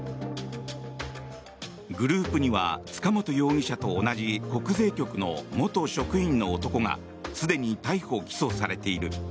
グループには、塚本容疑者と同じ国税局の元職員の男がすでに逮捕・起訴されている。